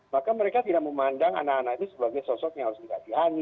maka mereka tidak memandang anak anak itu sebagai sosok yang harus dilatihani